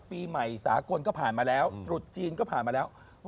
ปีใหม่สากลก็ผ่านมาแล้วตรุษจีนก็ผ่านมาแล้ว